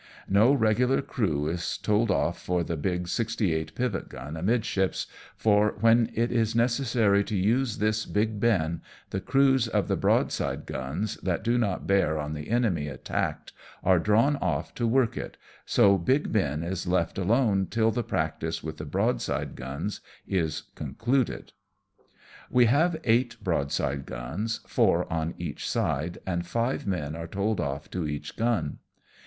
No regular crew is told off for the big sixty eight pivot gun amidships, for when it is necessary to use this Big Ben the crews of the broadside guns, that do not bear on the enemy attacked, are drawn off to work it, so Big Ben is left i6 AMONG TYPHOONS AND PIRATE CRAFT. alone till the practice with the broadside guns is con cluded. We haTe eight broadside guns, four on each side, and five men are told off to each gun.